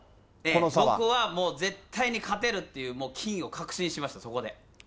僕は、もう絶対に勝てるっていう、金を確信しました、そこで。